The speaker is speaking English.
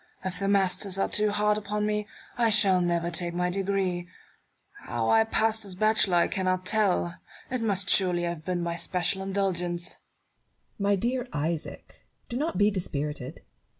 If the masters are too hard upon me, I shall never take my degree. How I passed as bachelor I cannot tell : it must surely have been by especial indulgence. Barrow. My dear Isaac ! do not be dispirited.